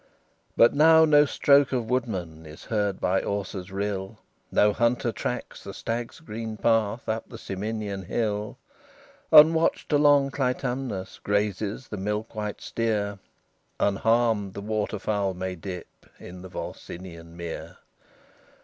VII But now no stroke of woodman Is heard by Auser's rill; No hunter tracks the stag's green path Up the Ciminian hill; Unwatched along Clitumnus Grazes the milk white steer; Unharmed the water fowl may dip In the Volsminian mere.